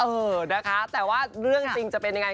เออนะคะแต่ว่าเรื่องจริงจะเป็นยังไง